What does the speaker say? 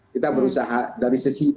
kita berusaha dari sisi